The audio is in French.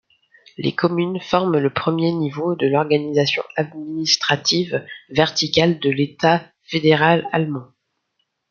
Les communes forment le premier niveau de l'organisation administrative verticale de l'État fédéral allemand.